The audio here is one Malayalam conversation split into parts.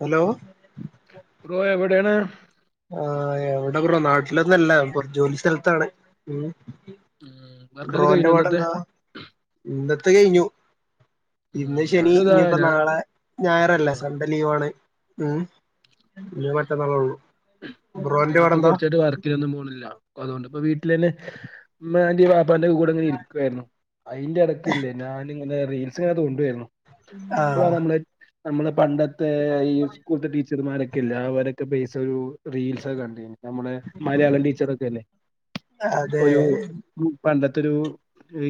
ഹലോ ബ്രോഎവിടെയാണ് ആ് എവിടെ കുറോ നാട്ടിലൊന്നല്ലറ ജോലി സ്ഥലത്താണ് ഉ വർക്കൊക്കെ ബ്രോന്റെ കഴിഞ്ഞോ ഇന്നത്തെ പാടെന്താ ഇന്നത്തെ കഴിഞ്ഞു ഉം, ഇന്ന് ശനി ഞാനിതാ ഇനിയിപ്പോ ഞാൻ നാളെ ഞായറല്ലേ സൺണ്ടേലീവാണ് ഉം പി മറ്റന്നാളള്ളു അപ്പൊ കൊറച്ചായിട്ട് വർക്കിനൊന്നും പോണില്ല അതുകൊണ്ട് ഇപ്പ വീട്ട ലെൻ മതി വ [unintelligible] ഇന്റെറെ കൂടെങ്ങന ഇരിക്കുവായിരുന്നു അതിന്റെ ഇടക്കല്ല ഞ പിന്ന റീൽസിങ്ങനെ തോണ്ടുവായിരുന്നു ആ ആമ്മ പണ്ടത്തെ ഈ സ്കൂളത്തെ ടീച്ചർമാരൊക്കെ ഇല്ല അവരൊക്കെ ചെവു റീൽസൊക്കെ കണ്ടിന് നമ്മുടെ മലയാളം ടീച്ചറൊക്കെല്ലേ അതെ ഒരു പണ്ടത്തെ തോരു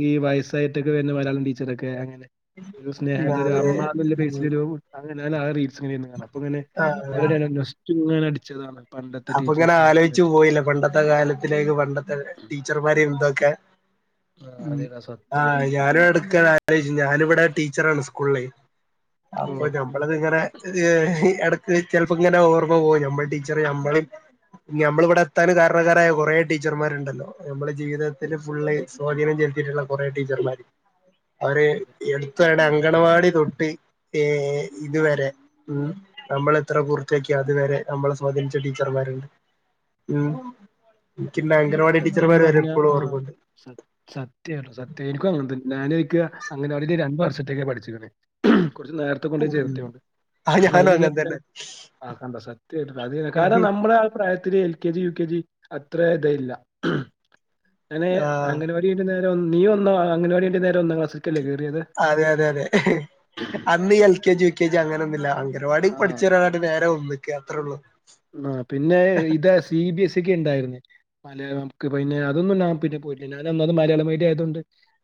ഈ വയസ്സായിട്ടൊക്കെ വരുന്ന മലയാളം ടീച്ചറൊക്കെ അങ്ങനെ ഒരു ന്നാ, സ്നേഹനിധി അതെ അമ്മ നുള്ള ബെയിസില് ഉം ഒരു അങ്ങനെ റിൽസില്ലിങ്ങനെ വരുന്നേ കാണാം അപ്പ പിന്നെ ആ ഒരുര് നൊസ്റ്റു ചില്റദേൽ അപ്പൊ ഇങ്ങനെ ആലോചിച്ചു പോയില്ലേ പണ്ടത്തെ കാലത്തിലേക്ക് പണ്ടത്തെ ടീച്ചർമാരെയും എന്തൊക്കെ ആഹ് ഉ അതേടാ ആ സത്യായിട്ട് ഞാനടുക്ക അലോയിച്ചു ഞാനിവിടെ ടീച്ചറാണ് സ്കൂള് ഓ അപ്പൊ നഞമ്മളത് ഇങ്ങന ഇത്‌ എടക്ക് ചിലപ്പോ ഇങ്ങനെ ഓർമ്മ പോവും നമ്മൾ ടീച്ചർ നമ്മള നഞമ്മള ഇവിടെ എത്തൻ കാരണകാരായ കൊറേ ടീച്ചർമാരുണ്ടല്ലോ നമ്മുടെ ജീവിതത്തിൽ ഫുള്ള് സ്വാധീനം ചെലത്തിട്ടുള്ള കൊറേ ടീച്ചർമാര് അവര് അതെ അതെ എടുത്തടെ അങ്കണവാടി തൊട്ട് ഏ ഇതുവരെ ഉ നമ്മൾ എത്ര പൂർത്തയാക്കിയ അതുവരെ നമ്മള് സ്വാദനിച്ച ടീച്ചർമാരുണ്ട് മൂ ഉം സത്യം പറഞ്ഞാ ആ ഓർമ്മണ്ട് സ സത്യല്ലോ സത്യ എനിക്കും അങ്ങനെ തന്നെ ഞാന എനിക്ക് അങ്ങനെവാടിയിൽ രണ്ട് വർഷത്തേക്ക പഠിച്ചിരുന്നേ കുറച്ച് നേരത്തെ കൊണ്ട് ഉം ചേർത്തുണ്ട് ആ ഞാനും അതിന അങ്ങനെ ശേഷ തന്നെ കണ്ട സത്യയിട്ടും അ കാരണം നമ്മൾ ആ പ്രായത്തില L K G U K G അത്ര എടാ ഇല്ല ഉ അങ്ങനെ ആഹ് ആഗനവാടികഴിഞ്ഞിട്ട് നേരെ നീ ഒന്ന് ആഗനവാടി കഴിഞ്ഞിട്ട് നേരെ ഒന്നാ ക്ലാസ്സ്‌ അതെ അതെ അതെ അന്ന് L K G L K G അങ്ങനൊന്നില്ല ഒരുപാട് ആഹ് പഠിച്ചൊരാളാട്ട് നേരം ആ പിന്നെ ഇതാ സി ബി എസ് സിക്ക് ഇണ്ടായിരുന്നിലെ മലയാളംക്ക് പിന്നെ അതൊന്നും നാൻ പിന്നെ പോയിട്ടില്ല ഞാനന്നന്ന് മലയാള മീഡിയായതോണ്ട്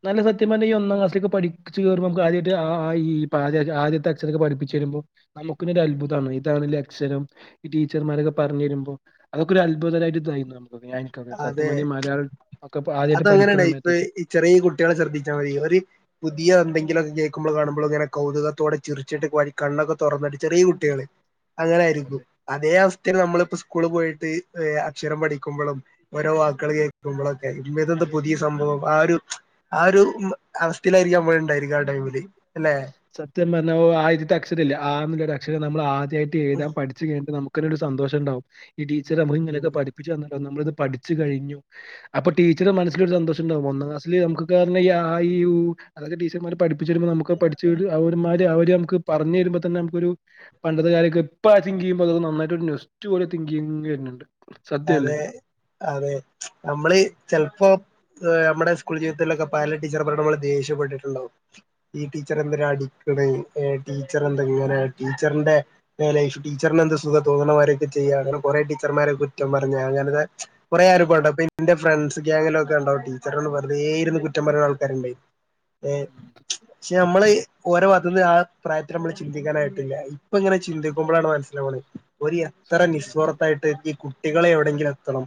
നല്ല സത്യ പറഞ്ഞ ഈ ഒന്നാം ക്ലാസിലേക്ക് പഠിച്ച് കേറുമ്പോ നമുക്ക് ആദ്യായിട്ട് അ ആ ഇ ഈ ഇപ്പ ആദ്യായിട്ട് ആദ്യത്തെ അക്ഷരോക്കേ പഠപ്പിച്ചു തരുമ്പോ നമുക്കെന്നെ അത്ഭുതമാണ് ഇതാണല്ലേ അഷരം ഈ ടീച്ചർമാരൊക്കെ പറഞ്ഞെരുമ്പോൾ അതൊക്കെ ഒരു അത്ഭുതകരമായിട്ട് തൈമ അതെ ഒക്കെ ആദ്യമായിട്ട് അതങ്ങനെയണ് പഠിക്കുന്ന ഇപ്പൊ സമയത്തൊക്കെ ഈ ചെറിയ കുട്ടികളെ ശ്രദ്ധിച്ചാൽ മതി ഇവര് പുതിയ എന്തെങ്കിലുമൊക്കെ ക്കുമ്മള് കാണുമ്പോളങ്ങനെ കൗതുകത്തോടെ ചിറിച്ചിട്ട് വരി കണ്ണൊക്കെ തുറന്നടി ചെറിയ കുട്ടികള് അങ്ങനെ ആയിരിക്കും അതെ അതേ അവസ്ഥയില് നമ്മളിപ്പ സ്കൂള് പോയിട്ട് എ അക്ഷരം പഠിക്കുമ്പഴും ഓരോ വാക്കുകൾ കേൾക്കുമ്പളും എ ഇമ്മെതെന്ത് പുതിയ സംഭവം ആഹ് ഒരു ആഹ് ഒരു അവസ്ഥയിലായിരിക്കാം നമ്മളി ണ്ടായിരിക്ക ആ ടൈമില് അല്ലെ സത്യം പർഞ്ഞ ഓ ആയിതിത്തെ അക്ഷരല്ലേ ആഹ് ന്ന്ല്ലൊര് പക്ഷേ നമ്മള് ആ ദ്യായിട്ട് എഴുതാൻ പഠിച്ചു കഴിഞ്ഞിട്ട് നമുക്കു ക്കിനിടു സന്തോഷം ഇണ്ടാവും ഇടീച്ചർ നമക്ക് ഇങ്ങയക്ക പഠപ്പിച്ചു തന്നാ നമ്മളിത് പഠിച്ചു കഴിഞ്ഞു അപ്പൊ ടീച്ചറ മനസ്സിലൊരു ഒരു സന്തോഷു ണ്ടാവും ഒന്നാം ക്ലസില് നമുക്കക്ക പറഞ്ഞാ ഈ ആ ഈ ഊ അതത് ടീച്ചർമാര് പഠിപ്പിച്ചരുമ്പോ പഠിച്ചഴിഞ്ഞാ ആവോരു അവര് നമുക്ക് പറഞ്ഞരുമ്പോ തന്നെ നമക്കൊരു ഒരു പണ്ടത്തെ കാരൊക്കെ ഇപ്പാജിങ്കി ചെയ്യുമ്പോ നന്നായിട്ടു നൊസ്റ്റു ഓടിത്തിങ്കിങ്ങരുന്നുണ്ട് അതെ അതെ നമ്മള് ചെലപ്പോ ദാ നമ്മടെ സ്കൂൾ ജീവിതത്തിലൊക്കെ പല ടീച്ചർ മാർടെമ്മള് ദേഷ്യപ്പെട്ടിട്ടുണ്ടാവും ഈ ടീച്ചർ എന്തരാ അടിക്കണേ ടീച്ചറെന്താ ഇങ്ങനെ ടീച്ചറിന്റെ ലൈഫ് ടീച്ചറിന് എന്ത് സുഖം തോണവരെയൊക്കെ ചെയ്യ അങ്ങനെ കുറെ ടീച്ചർമാരക്കെ കുറ്റം പറഞ്ഞ അങ്ങനത്തെ കുറെ അനുഭോണ്ട് അപ്പ ഇന്റെ ഫ്രണ്ട്സ്‌ഗ്യാങ്ങിലും ഒക്കെ ഉണ്ടാവും ടീച്ചറൊന്ന് വെറുതേ ഇരുന്ന് കുറ്റം പറഞ്ഞ ആൾക്കാരുണ്ട് ഏ ഉം. പക്ഷെ നമ്മള് ഓരോ അതിന്ന് ആഹ് പ്രായത്തില് നമ്മള് ചിന്തിക്കാനായിട്ടില്ല ഇപ്പ ഇങ്ങനെ ചന്തിക്കുമ്പളാണ് മനസിലാവണത് ഒരു എത്തറ സത്യം സത്യം. നിസോടത്തായിട്ട് ഈ കു കുട്ടികളെ എവിടെങ്കിലെത്തണം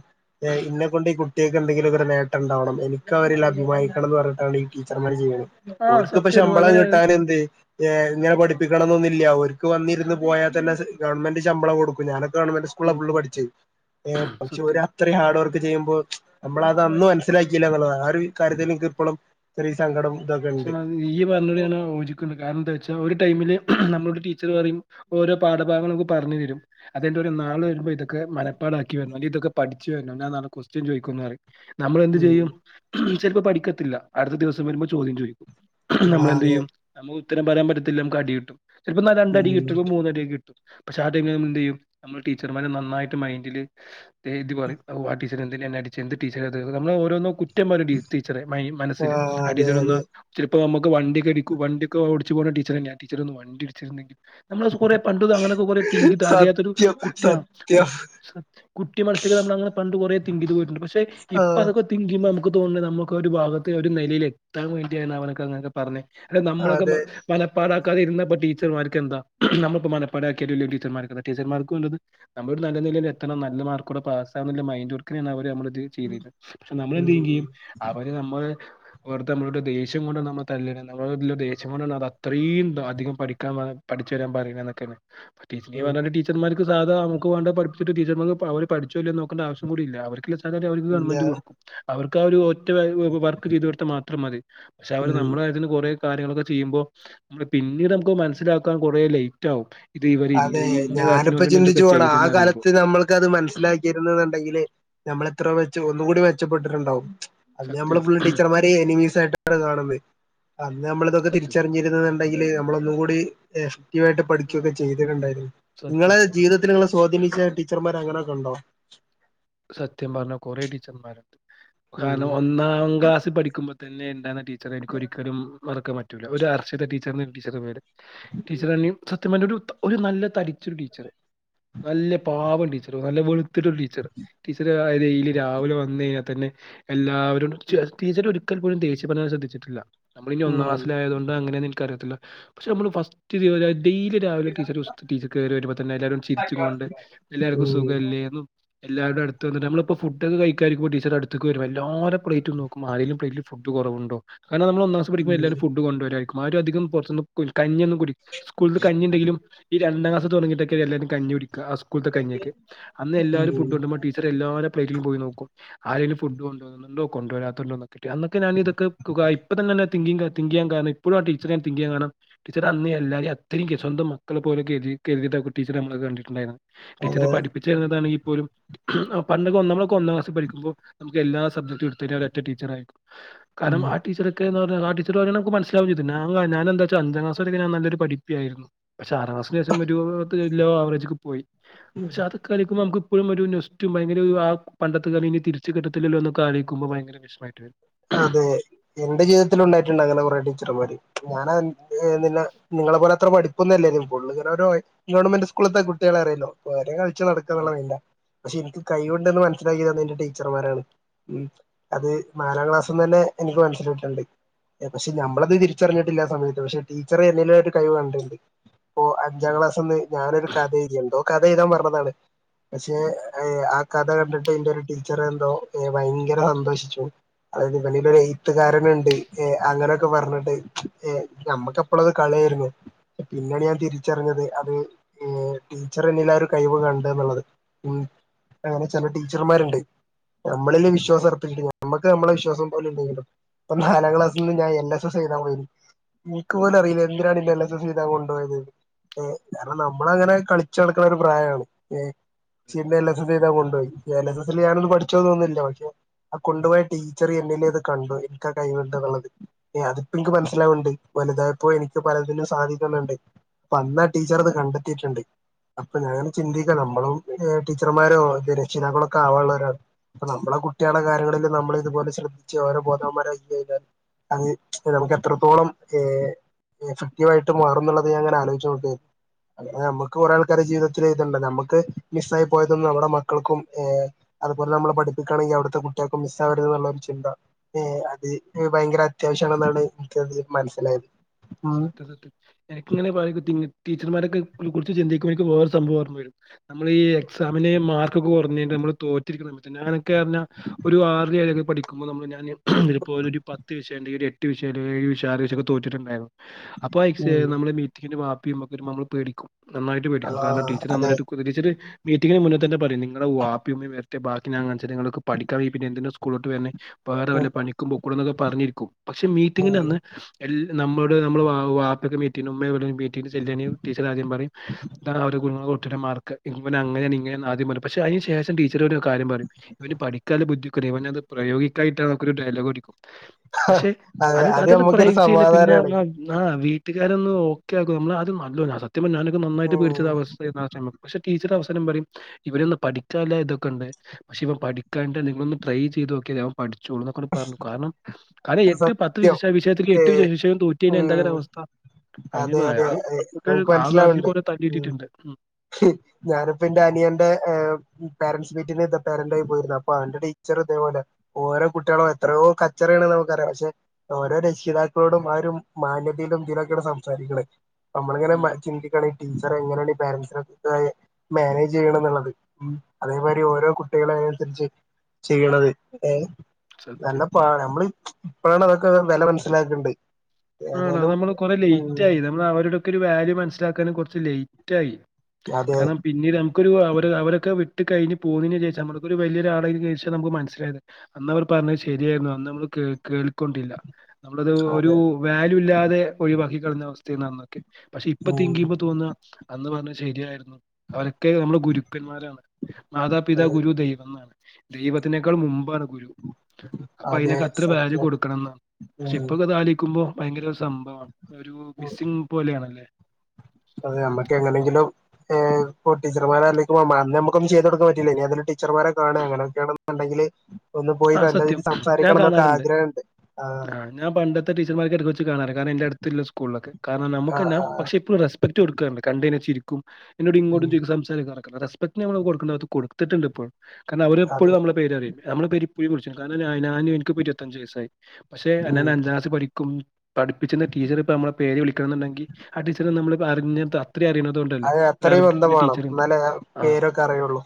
ഇന്ന കൊണ്ട് ഈ കുട്ടികൾക്ക് എന്തെങ്കിലും ഒരു നേട്ടം ഉണ്ടാവണം എനിക്ക് അവരിൽ അഭിമാനിക്കണംന്ന് പറഞ്ഞിട്ടാണ് ഈ ടീച്ചർമാർ ചെയ്യണ ആ ഓർക്കിപ്പം സത്യാണ്. ശമ്പളം അങ്ങനെ കിട്ടാനെന്ത് ഞ് ഇങ്ങന്നെ ആ പഠിപ്പിക്കണം സത്യം. ന്നൊന്നില്ല ഓര്ക്ക് ക്ക് വന്നിരുന്ന് പോയാൽ തന്നെ ഗവൺമെന്റ് ശമ്പളം കൊടുക്കും ഞാനക്ക ഗവൺമെന്റ് സ്കൂളിലാ ഫുള് കൊടുക്കും. പഠിച്ചേ ഏ പക്ഷെ സത്യം. ഒരു അത്ര ഹാ ഹാർഡ്വർക്ക് ചെയ്യുമ്പോൾ നമ്മളത് മനസ്സിലാക്കില്ലന്നുള്ളതാ ഒരു കാര്യത്തില് നിക്ക് ഇപ്പളും ചെറീയ സങ്കടം ഇതൊക്കെ ഉണ്ട് ത്താനീ ഈ പറഞ്ഞത് ഞാൻ യോജിക്കണ് കാരണം എന്താ വെച്ചാ ഒരു ടൈമില് നമ്മളോട് ടീ ച്ചററി ഓരോ പാഠഭാഗങ്ങള പറഞ്ഞഞ് തരും അതിെന്റെ ഒരു നാൾ വരുമ്പോ ഇ ക്ക് മനപ്പാടാക്കി വരണ് അല്ലങ്കി ഇതൊക്കെ പഠി ച്ച് വര്ണ ഞാ നളെ കൊസ്റ്റൻ ചോദിക്കു ന്നറി നമ്മൾ എന്ത് ഉം ചെയ്യും ചെൽപ്പ പഠിക്കത്തില്ല അടുത്ത ദിവം വരുമ്പോ ചോദ്യം ചോദി ആ അതെ നമ്മളെന്തെയ്യും ന ഉത്തരം പരമ്പരയല്ലാം നമ്മക്ക് അടി കിട്ടും ചിലപ്പ നാ രണ്ട് ഉം അടിക്ക് കിട്ടും ലപ്പ മൂന്ന് അടിയൊക്കെ കിട്ടും പക്ഷെ ആഹ് ട്ടയ്മില് നമ്മ എന്തെയ്യും നമ്മള് ടീച്ചർമാരെ നന്നായിട്ട് മൈഡില് ഇതി പറ വട്ട അ എടീച്ച നമ്മ രോന്നോ റ്റ ടീച്ചറെ മനസ്സിൽ ആ അതെ അതെ ഇപ്പ നമുക്ക് വണ്ടൊക്കെടക്ക വണ്ട ഒക്ക ഓടിച്ച് പോക ടീച്ച തന്ന ടീച്ച ഒന്ന് വണ്ടിടിച്ചിരുന്നങ്കിൽ നമ്മള കൊറേ പണ്ട് അങ്ങനൊക്കെ കൊറ തിങ്കിത് അറിയാത്തൊരു സത്യം കുട്ടിയാണ് സത്യം കുട്ടി മനസ്സിലേ നമ്മളങ്ങനെ പണ്ട് കുറേ തിങ്കിത് പോയിട്ടുണ്ട് പക്ഷെ ആ ഇപ്പ അതക്കെ തിങ്കിയുമ്പ ത നമുക്ക് ഒരു ഭാഗത്തെ ഒരു നിലയില ഇ വേണ്ടിയ അവനക്കെ അങ്ങൊക്കെ പറഞ്ഞേ അ നമ്മളൊക്കെ അതെ പല പാടാക്കാതിെരുന്നപ്പ ടീച്ചർമാർക്ക് എന്താ നമ്മക്ക് മ പട ടച്ചർമാർ ടീച്ചർമാർക്കത് നമ്മ നല്ല നിലയിൽ എത്തണം നല്ല മാർക്ക പാമ്മ ചെയ്തി പക്ഷെ നമ്മൾ എന്ത് ചെയ്യ ഉം ചെയ്യും അവര് നമ്മള് വെറ നമ്മരു ദേഷം കൊണ്ട് നമ്മ തല്ലി നമ്മ ദേശംോാണ് അത്രയും അധികം പഠിക്കാൻ പഠിച്ചുരാൻ പറയുന്ന എന്നൊക്കെയന്നെ ീച്ച ഉം വേ ീച്ചർ മാറ സാധാ നമുക്ക് വേണ്ട പഠിട്ട ടീച്ചർമാർ അവര് പഠിച്ചോല്ല നോേണ്ട ആവശം കൂടില്ല അവർ അവർക്ക് ഇല്ല ഗവൺമെന്റ് കൊടുക്കും അവർക്ക് ഒരു വർക്ക് ചെയ്ത് മാത്രം മതി പക്ഷെ അവര് ഉം നമ്മളെതിന് കുറ കാര്യങ്ങളൊക്കെ ചെയ്യുമ്പോ പിന്നീട് നമുക്ക് മനസ്സിലാക്കാൻ കൊറേ ലേറ്റ് ആകും അതെ ഞാനിപ്പോ ചിന്തിച്ചു പോണം ആ ചെയ്തതെന്ന് അറിയുമ്പോ കാലത്ത് നമ്മൾക്ക് അത് മനസ്സിലാക്കിരുന്ന എന്നുണ്ടെങ്കില് നമ്മൾ എത്രയോ വെച്ച ഒന്നുകൂടി മെച്ചപ്പെട്ടിട്ടുണ്ടാവും അത് നമ്മള് സത്യമായിട്ടും ഫുൾ ടീച്ചർമാര്നിമീസ് ആയിട്ട് രെ കാണുന്നേ അന്ന് നമ്മളിതൊക്കെ സത്യം സത്യം തിരിച്ചറിഞ്ഞിര എന്നുണ്ടെങ്കിൽ നമ്മളൊന്നുകൂടി ആട്ട് പഠിച്ച ആ, ണ്ട സത്യം നിങ്ങളെ സത്യം ജീവിതത്തിൽ നിെ സ്വാധീനിച്ച ടീച്ചർ മര അങ്ങനെയൊക്കെ ഉണ്ടോ സത്യം പറഞ്ഞ കുറെേ ടീച്ചർമാര ഉം കാരണം ഒന്നാംാം ക്ലാസ് പഠിക്കുമ്പോ തന്നെ ടീച്ചർ എനിക്ക് ഒരിക്കലും വറക്കാൻ പറ്റില്ല ഒരു അർച്ചി ടച്ചറി ടീച്ചർ പേര് ീച്ചറ നല്ല തടിച്ചൊരു ടീച്ചർ നല്ല പാപ ടീച്ചർ നല്ല വെ [unintelligible] ടീച്ചർ ടീച്ചർെയിലൽ രാവിലെ വന്ന കഴിഞ്ഞാൽ തന്നെ എല്ല ആ ഒരു ടീച്ചർ എൽ പോലുംേച്ച് പറയാൻ ശ്രദ്ിച്ചിട്ടില്ല നമ്മള ഇനി ഒന്നാം ഉം ക്ലസ്ിലയതൊണ്ട് അങ്ങന ിയല്ല പക്ഷെ നമ്മള് ഫസ്റ്റ് ഡെയിലി രാവിലെ ടീച്ചർ ടീച്ചർ കയറി വരുമ്പോ തന്നെ എല്ലാരും ചിരിച്ചും കൊണ്ട് എല്ലാവർക്കും ഉം സുഖമല്ലേും എല്ലാവരുടെ അടുത്ത് നമ്മളിപ്പോ ഫുഡ കഴാരിക്കോ ീച്ചർ അടുത്തക്ക് വും പ്േറ്റ് നോും ആങ്കലും പ്േറ്റ ഫു് കുറവുണ്ടോ കണം നമ്മ ഉം ഒന്നന്ന്സംഠിക്ക്പടി എല്ലരുംകൊണ്ടവരാ മാരും അികംറു കഞ്ഞൊും ടി സ്കൂള കഞ്ഞുണ്ടെങ്കിലും ഈ രണ്ടാം ക്ലാസ് തുടങ്ങിട്ടക്ക എല്ലും കഞ്ഞൂടി ആ സ്കൂത്ത കഴഞ്ഞേക്ക് അന്ന് എല്ലാവും ഫു് ഉം ഉണ്ടോ പലേറ്റ പോയി നോക്ക ആങ്കും ഫുഡ് കൊണ്ടോോ കൊണ്ടോത്രല്ല കിട്ട അ എന്നൊക്കെ ഞാനിതൊെ ഇപ്പ തന്നെന്നെ തിങ്കങ് തിങ് ചെയ്യാൻണം ഇപ്പോഴും ടീച്ചറെ ഞ തിങ് ചെയ്യാൻണണംടച്ചർ അന്ന് എല്ലാരും അയും സ്വന്തം മക്കെ പോലെതിരുതി ടച്ചർ നമ്മ കണ്ടിട്ടുണ്ടായിരുന്നു അതെ ടീച്ചറെ പഠിപ്പിച്ചു തരതാണ് ഈ പോലും പണ്ടൊക്കെ ഒന്നമളക്കെ ഒന്നാം ക്ലസിൽ പഠിക്ക്പോ നമുക്ക്ല്ലാ സബ്ക്ും എടുത്തട്ട് ഒറ്റ ടീച്ചർ ആരിക്കും കാരണം ഉം ആ ടീച്ചർ ഒക്കെ ആട്ടക്ക്നസിലാവും ചെയ് ഞ ഞാാനന്താച്ചാ അഞ്ചാംക്ലാസ വൊ ാൻല്ലൊരു പിപ്പിയായിരുന്നു പക്ഷെ അറ ക്ന് ശേഷം ലോ അവറേജ ഒെ പോയി പക്ഷെ അതൊക്കെിക്കുമ്പോ നമുക്ക് ഒരു മ ഒരുൂന്യസ് റ്റവും ഭയങ്കര ആ പണ്ടത്ത ക ഇനി തിരിച്ച കിട്ടല്ലോ ഒൊക്കെളയിക്കുമ്പോൾ ഭയങ്കര വിഷ്ടമായിട്ട്രുന്നു അതെ എന്റെ ജീവിതത്തില ഉണ്ടായിട്ടുണ്ട് അങ്ങനെ കുറട്ട ത്ര പാടി ഞാനാ ഹ് [unintelligible] നിങ്ങളെ പോലെത്ര പഠിപ്പൊന്നു ല്ലേനി ഫുള്ള് [unintelligible] ങ്ങനെഗവൺമെന്റ് സ്കൂളത്തെ കുട്ട്യേളെ അറ്യല്ലോ നടക്കുന്നു ളൊ ആഹ്. ഇല പക്ഷെ ഇൻക്ക് കൈയുണ്ടന്ന് മനസിലാക്കിന്ന് എന്റെ ടീച്ചർമാരാണ് ഉം അത് എാം ക്ലാസ്ന്നെ എനിക്ക് മനസ്സിലിട്ടുണ്ട് പക്ഷെ നമ്മളത് തിരിച്ചറിഞ്ഞിട്ടില്ല ആ സമയത്ത് പക്ഷെ ടീച്ചർ എന്നിലും ഒരു കഴിവ് കണ്ടിണ്ട് ഇപ്പോഅഞ്ചാം ഉം. ക്ലാസ്ന്ന് ഞാനൊരു കഥ എഴ്‌തിണ്ടോ കഥ ചെയഴുതാൻ പറഞ്ഞതാണ് പക്ഷേ ആ കഥ കണ്ടിട്ട് എന്റെ ഒരു ടീച്ചറെ എന്തോ ഭയങ്കര സന്തോഷിച്ചു [unintelligible] യത് ഇവനിലൊരു എഴുത്തുകാരന് ണ്ട് എ അങ്ങനെക്കെ പറഞ്ഞിട്ട് ഏ നമ്മുക്കെപ്പോളത് കളി പിന്നാണ് ഞാൻ തിരിച്ചറിഞ്ഞത് അത് ടീച്ചർ എന്നിലരു കഴിവ് കണ്ട് എന്ന്ള്ളത് ഉം അങ്ങനെ ചെല ടീച്ചർമാരുണ്ട് നമ്മളില് വിശ്വാസം അർപ്പിച്ചിട്ട നമ്മക് നമ്മള വിശ്വാസം പോല ഉണ്ടെങ്കിലോ നാലാം ക്ലാസിൽ നിന്ന് ഞാ എൻ എസ്സ സ് എഴുതാൻ വേ ഇൻക്ക് പോലു ഉം. അറീല എന്ത്നാണ് ഇല്ലെ ല [unintelligible] കൊണ്ടോയത് ഏ കാരണം നമ്മളങ്ങനെ കളിച്ചട്ക്ക്ണ ഒരു പ്രായാണ് ഏഹ് ചിന്നെല്ല സുഖേത കൊണ്ടോയി ഏലെസെസ്റ്റിൽ ഞാനൊന്നും പഠിച്ചോന്ന്ന്ന്ല്ല പക്ഷെ അ കൊണ്ട് പോയി ടീച്ചർ എന്നിലേത് കണ്ടു ഇക്ക കൈവിട്ട് എന്ന്ള്ളത് എഹ് അത്പ്പൊ ഇൻക്ക് മനസ്സിലാവ്ണ്ട് വലുതായപ്പോ എനിക്ക് പലതിനും സാധിക്കുന്നുണ്ട് അന്നാ ടീച്ചർ അത് കണ്ടെത്തിയിട്ടുണ്ട് അപ്പൊ ഞാൻ ചിന്തിക്ക നമ്മളും ടീച്ചർമാരോ രക്ഷതാക്കളൊക്കെ ആവാൻള്ളോരാണ് അപ്പ നമ്മളെ കുട്ട്യേളെ കാര്യങ്ങളിൽ നമ്മൾ അതുപോലെ ശ്രദ്ധിച്ച് ഓരോ ബോധവന്മാരായികഴിഞ്ഞാൽ അത് നമു എത്രത്തോളം എ എഫക്റ്റീവ് ആയിട്ട് മാറുന്നുള്ളത് ഞാൻ ങ്ങനെ ആലോയ്ചോ ക്കേരുന്നു അ മ്മക്ക് കുറെേ ആൾക്കാരെ ജീവിതത്തിൽ ഇ [unintelligible] ണ്ട നമക്ക് മിസ്സായി പോയതൊന്നും നമ്മുടെ മക്കൾക്കും അതുപോലെ നമ്മളെ പഠിപ്പിക്കാണെങ്കിൽ അവിടുത്തെ കുട്ട്യേൾക്കും മിസ്സ ഒരു ചിന്ത ഏ അത് ഭയങ്കര അത്യാവശ്യണെന്നാണ് എനിക്കതിൽ മനസ്സിലായത് ഉം സൊത്ത് സൊത്ത് എനിക്കിങ്ങനെ പ കുതി കിട്ടിംങ്ങ് ടീച്ചർമാരെക്കെ ഓൽ കുറിച്ച് ചിന്തിക്കു ണോൽക് വേറെ സംഭവം റ്ഞ്ഞരുംനമ്മള ഈ എക്സാമിന് മാർക്കൊക്കെ കൊറ്ഞ്ഞെയ്നമ്മൾ തോറ്റിരിക്കുന്ന സമയത്ത് ഞാനൊക്കേറ്ഞ്ഞ ഒരു ആറിലൊ ഏ ഴിലൊ പഠിക്കുമ്പം നമ്മൾ ഞാൻ ഇപ്പോല ഒരുപത്ത് വിഷയ്ണ്ടെങ്കിഒരു എട്ട് വിഷയം ഏഴ് വിഷയം ആറ് വിഷയൊ തോറ്റിട്ടുണ്ടായിരുന്നു അപ്പൊ എക്സ് [unintelligible] ഉം നമ്മള് മീറ്റിങ്ങ് നെ [unintelligible] മമ്മൾ പേടിക്കും നന്നായിട്ട് പേടിക്കും കാരണം ആഹ് ടീച്ചർ അതെ നന്നായിട്ട് കുതിരിച്ചത് മീറ്റിംഗി മുന്നേ തന്നെ പറിയ്ണ് ഇങ്ങളെ വാപിമ്മീം വര് ബാക്കി ഞാൻ കാണിച്ചര നിങ്ങളൊക്കെ പഠിക്കാ വെയ്യൽ പിന്നെ എന്തിനാ സ്കൂളോട്ട് വരുന്നേ വേറെ വല്ല ഉം പണിക്കുമ്പോ കൂടുന്നൊക്കെ പറഞ്ഞിരിക്കും പക്ഷെ മീറ്റിങ്ങിന്റെ ഉം അന്ന് എൽ നമ്മൾ നമ്മ വാപ്പൊക്കെ മീറ്റി ങ് ഉമ്മ മീറ്റിങ് ചെല്ലാണെയ് ടീച്ചർ ആദ്യം പറിംഇതാ ഇങ്ങളെ കുട്ടിയ്ടെ മാർക്ക് ഇവനങ്ങനേ ണിങ്ങനെണ് ആദ്യം പറയും പക്ഷെ അയ്ന് ശേഷം ടീച്ചർ ഒരു കാര്യം പറിം ഇവന് പഠിക്കാല്ല ബുദ്ധികൊട് ഓനത് പ്രയോഗിക്കായിട്ടാണ്ക്ക ഒരു ഡയലോഗ് അടിക്കും ഹ് പക്ഷെ ഹ്അതെ അത് നമ്മക്കൊരു സമാധാനാണ് ആഹ് വീട്ടുകാരൊന്ന് ഓക്കെ ആക്കും നമ്മള് അത് നല്ലോര് സത്യം ഞാനൊക്കെ നന്നായി്ട്ട് ഉം പേട്ചൊരവസ്ഥ [unintelligible] പക്ഷെ ടീച്ചർ അവസാനം പറയും ഇവനൊന്ന് പഠിക്കാനുള്ള ഇതൊക്കെ ഉണ്ട് പക്ഷെ ഇവൻ പഠിക്കാണ്ട് നിങ്ങള ഒന്ന് ട്രൈ ചെയ്ത് നോക്കിയ അവൻ പഠിച്ചു ചോളും എന്നൊക്കെ പറഞ്ഞു കാരണം കാരണം എട്ട് പത്ത് വിശവിഷയത്തിലും എട്ട് വിശയവും തോറ്റു ഉ അതെ അതെ അയാള് അതെ നങ്ങക്ക് ആ കാലത്തിൽ മനസ്സിലാവണ്ട് കൊറെ ഉ തല്ലിട്ടിട്ടുണ്ട്. ഉം ഞാനിപ്പ എന്റെ അനിയന്റെ പോരന്റ്സ് മീറ്റിന് ഇ പാരരന്റായിയി പോയിരുന്നു അപ്പോഅവന്റെ ടീച്ചർ ഇതപോലെ ഓരോ കുട്ടികളോ എത്രയോ കച്ചറകളാണ് നമുക്ക് പക്ഷെ ഓരോ രക്ഷിതാക്കളോടും ആ ഒരു മാന്യതയിലും ഇതിലൊക്കെയാണ് സംസാരിക്കണേ നമ്മളിങ്ങനെ ഉം ചിന്തിക്കണ ഈ ട്ടി എങ്ങനെയാണ് ഈ പാരൻസിനെ എങ്ങനെ യാണ് മാനേജ് ചെയ്യണ എന്നുള്ളത് ഉ അതേമാതിരി ഓരോ കുട്ടികള അതിനനുസരിച്ച് ചെയ്യണത്ഏ സത്യം. നല്ലപ്പാടാ നമ്മള് ഇപ്പോഴാണ് അതൊക്കെ വില മനസ്സിലാക്കണ്ട് ആണോ ഏതായാലും നമ്മള് കൊറെ ലേറ്റ് ഉം ആയി നമ്മൾ അവരുടൊക്കെ ഒരു വാല്യു മനസ്സിലാക്കൻ കുറച്ച് ലൈറ്റ് ആയി അതെ കാരണം പിന്നീട് നമുക്കൊരു അവര് അവരൊക്കെ വി ഇട്ട് കഴിഞ്ഞഞ് പോകുന്നതിനു ശേഷം നമ്മക്കൊരു വലിയൊരാളായതിനു ശേഷം നമുക്ക് മനസ്സിലായത് അന്ന് അവർ പറഞ്ഞത് ശരിയായിരുന്നു അന്ന് നമ്മള് കേ കേൾക്കൊണ്ടില്ല നമ്മളത് ഒരു അതെ ല്ലാതെ ഒഴിവാക്കിക്കളഞ അവസ്ഥയായിരുന്നു അന്ന് പക്ഷെ ഇപ്പ തിങ്ക് ഉം ചെയ്യുമ്പോ തോന്നു അന്ന് പറഞ്ഞ ശരിയായിരുന്നു അവരൊക്കെ നമ്മുടെ ഗുരുക്കന്മാരാണ് മാതാപിതാ ഗുരു ദൈവം എന്നാണ് ദൈവത്തിനേക്കാൾ മുമ്പാണ് ഗുരു അപ്പൊ അതെ അതിനൊക്കെ അത്ര വാല്യൂ സത്യം കൊടുക്കണം എന്നാണ് പക്ഷെ ഇപ്പൊ ഉം അതാലിക്കുമ്പോ ഭയങ്കര ഒരു സംഭവമാണ് ഒരു മിസ്സിംഗ് പോലെയാണല്ലേ അതെ നമ്മുക്ക് എങ്ങനെങ്കിലും ടീർമാരെ അല്ലങ്ക അന്ന നമുക്ക ചെയ്ത് കൊടുക്കാൻ പറ്റില്ല ഇനി അതിൽ ടീച്ചർമാരെ കാണ അങ്ങനെൊക്കെയാണെന്നുണ്ടെങ്കില് ആ സത്യം ഞാൻ കാണാറുണ്ട് ആഗ്രഹമുണ്ട് ആഹ് ആ ഞാൻ പണ്ടത്തെ ടീച്ചർമാർക്ക ഇടക്ക വച്ച് കാണാറ് കാരണം എൻറെ അടുത്തല്ല സ്കൂളിലൊക്കെ കാരണം നമു ആഹ് ാ ആഹ് പക്ഷെ ഇപ്പോും റെസ്പെക് കൊടുക്കറണ്ട് കണ്ടേെിരിക്കും ക്കും എന്നോട് ഉം ഇങ്ങോും സംസാരിക്കറ സ്പക്ട് നമ്മ കൊടുക്കണ്ട അത് കൊടുാം തെറ്റി [unintelligible] ന്റെിപ്പോൾ കാരണം അവരെപ്പോഴും അതെ നമ്മള പേര്റിയ നമ്മള ാര [unintelligible] ഞാനും എനിക്ക് ഇരുപത്തഞ്ചു വയസ്സായി പക്ഷെ അഞാൻ ഉം അഞ്ാം ക്ലാസ് പിക്കും പഠപ്പിച്ച്ന്ന ടീച്ചർ ഇപ്പ നമ്മളെ പേര് വിളി ക്കന്നിണ്ടെങ്കിൽ ആ ടീച്ചറ് നമ്മളിപ്പെ അറിഞ്ഞ് ത ത്രി അറീണതോണ്ടല്ലേ അത് അത്രയും ബന്ധം ഒരറബിക്കിന്റെ വേണം ടീച്ചറുണ്ട് എന്നാലേ ആ പേരൊക്കെ അറിയുള്ളൂ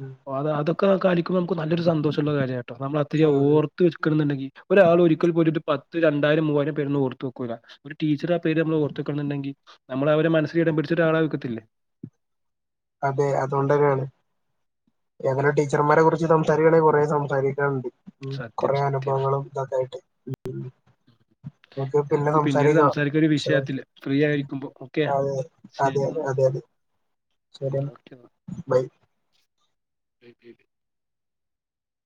ഉം അ അതൊക്കെ കാണിക്കുമ്പൊ നമുക്ക് നല്ലൊരു സന്തോഷള്ള കാര്യാ നമ്മളത്രി ഉം ഓർത്ത് വെക്കണന്നിണ്ടെങ്കി ഒരാൾ ഒരിക്കൽ പോയിട്ട് പ ത്ത് രണ്ടായിരം മൂവായിരം പേരൊന്നും ഓർത്ത് വെക്കൂല ഒരു ടീച്ചർ ആ പേര് നമ്മള് ഓർത്ത്ക്കണണ്ടെങ്കിൽ നമ്മള അവരെ മനസ്സിൽ ഇടം പിടിച്ച ഒരാള വക്കത്തില്ലേ അതെ അതോണ്ടെന്നേണ് ഏതായലും ടീച്ചർമാരെ കുറിച്ച് സംസാരിക്കാണെ കൊറേ സംസാരിക്കാണ്ട് ഉ സത്യം, കൊറേ സത്യം. അനുഭവങ്ങളും ഇതൊക്കായിട്ട് നമക്ക് ഇത് പിന്നെ നമുക്ക് പിന്നീട് സംസാരിക്കാ സംസാരിക്ക ഒരു വിശദായിട്ട് വിഷയത്തില് ഫ്രീ ആയിരിക്കുമ്പോ. ഓക്കെ. അ അതെ ശരി അതെ എന്നാ. അതെ ശരിയെന്ന ബൈ ശ